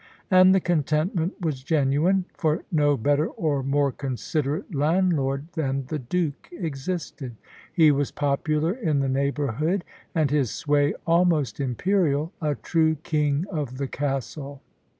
And the contentment was genuine, for no better or more considerate landlord than the Duke existed. He was popular in the neighbourhood, and his sway almost imperial a true king of the castle.